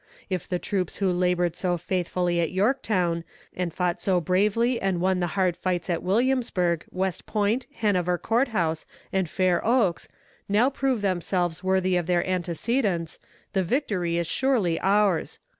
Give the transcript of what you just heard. If the troops who labored so faithfully at Yorktown, and fought so bravely, and won the hard fights at Williamsburg, West Point, Hanover Court house and Fair Oaks, now prove themselves worthy of their antecedents, the victory is surely ours.